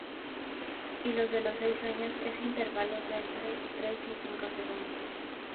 Y los de seis años, en intervalos de entre tres y cinco segundos.